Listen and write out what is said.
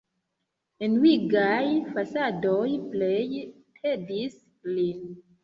Enuigaj fasadoj plej tedis lin.